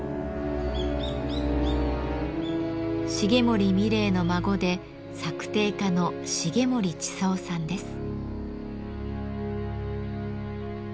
重森三玲の孫で作庭家の重森千さんです。